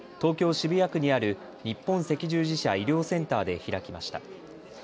渋谷区にある日本赤十字社医療センターで開きました。